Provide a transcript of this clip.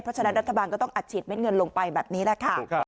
เพราะฉะนั้นรัฐบาลก็ต้องอัดฉีดเม็ดเงินลงไปแบบนี้แหละค่ะ